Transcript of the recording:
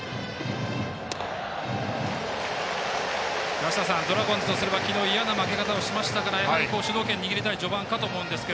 梨田さん、ドラゴンズとすれば昨日、嫌な負け方しましたからやはり、主導権を握りたい序盤かと思うんですが。